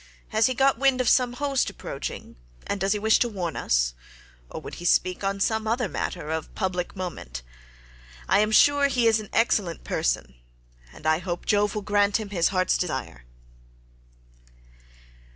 Has he got wind of some host approaching, and does he wish to warn us, or would he speak upon some other matter of public moment? I am sure he is an excellent person, and I hope Jove will grant him his heart's desire."